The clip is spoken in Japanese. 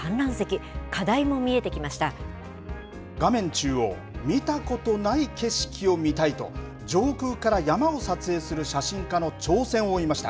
中央、見たことない景色を見たいと、上空から山を撮影する写真家の挑戦を追いました。